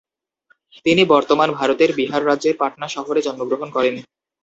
তিনি বর্তমান ভারতের বিহার রাজ্যের পাটনা শহরে জন্মগ্রহণ করেন।